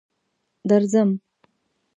درځم.